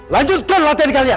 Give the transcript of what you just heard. lanjutkan latihan kalian